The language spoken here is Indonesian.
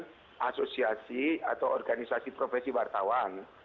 organisasi atau organisasi profesi wartawan